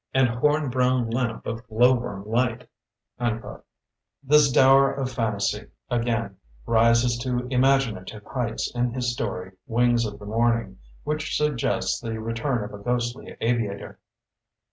And horn brown lamp of glow worm light. 56 THE BOOKMAN This dower of fantasy, again, rises to imaginative heights in his story, ''Wings of the Morning", which sug gests the return of a ghostly aviator.